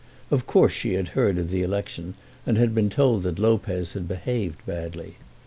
Of course she had heard of the election, and had been told that Lopez had behaved badly.